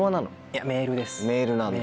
いやメールです。